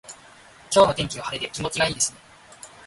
今日の天気は晴れで気持ちがいいですね。